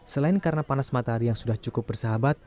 selain karena panas matahari yang sudah cukup bersahabat